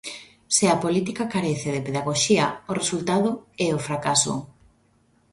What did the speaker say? Se a política carece de pedagoxía, o resultado é o fracaso.